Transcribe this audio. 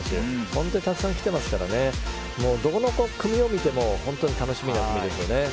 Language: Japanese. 本当にたくさん来てますからどこの組を見ても楽しみですよね。